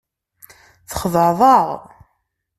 Txedεeḍ-aɣ.